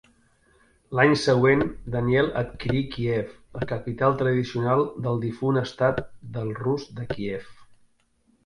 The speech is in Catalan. L'any següent, Daniel adquirí Kíev, la capital tradicional del difunt estat del Rus de Kíev.